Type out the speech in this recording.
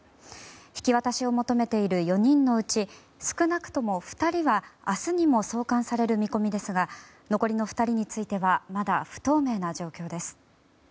引き渡しを求めている４人のうち少なくとも２人は明日にも送還される見込みですが残りの２人についてはまだ不透明な状況です。